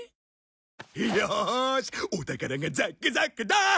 よしお宝がザックザクだ！